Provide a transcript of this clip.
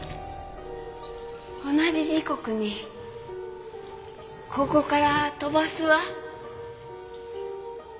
同じ時刻にここから飛ばすわ。